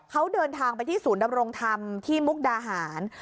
เขาเดินทางไปที่ศูนย์ดำรงธรรมที่มุกดาหาร